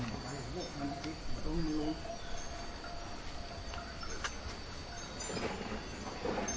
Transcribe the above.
นี่